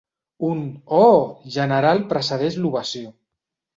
Un «ooooh!» general precedeix l'ovació.